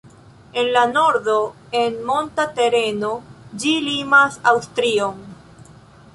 En la nordo, en monta tereno, ĝi limas Aŭstrion.